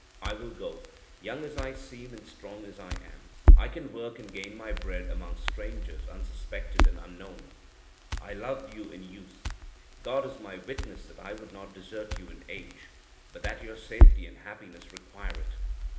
I will go; young as I seem and strong as I am, I can work and gain my bread among strangers, unsuspected and unknown. I loved you in youth; God is my witness that I would not desert you in age, but that your safety and happiness require it."